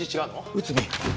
内海！